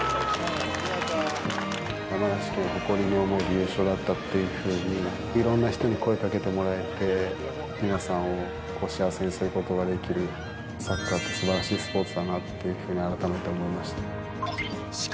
山梨県を誇りに思える優勝だったっていうふうに、いろんな人に声かけてもらえて、皆さんを幸せにすることができる、サッカーってすばらしいスポーツだなって改めて思いました。